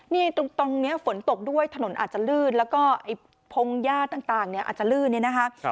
นี่ตรงนี้ฝนตกด้วยถนนอาจจะลื่นแล้วก็ไอ้พงหญ้าต่างเนี่ยอาจจะลื่นเนี่ยนะคะ